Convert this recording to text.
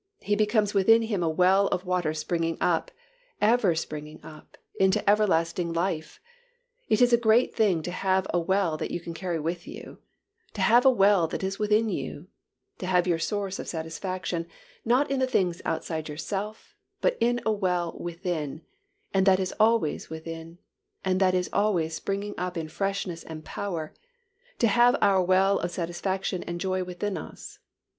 He becomes within him a well of water springing up, ever springing up, into everlasting life. It is a great thing to have a well that you can carry with you; to have a well that is within you; to have your source of satisfaction, not in the things outside yourself, but in a well within and that is always within, and that is always springing up in freshness and power; to have our well of satisfaction and joy within us.